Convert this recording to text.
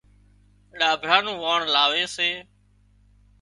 ڏاڀڙا نُون واڻ لاوي سي